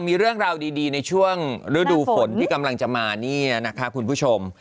มีเรื่องราวดีในช่วงฤดูฝนที่กำลังจะมานี่นะคะคุณผู้ชม